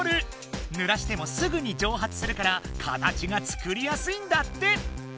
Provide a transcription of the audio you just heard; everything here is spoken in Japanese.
ぬらしてもすぐにじょうはつするから形が作りやすいんだって！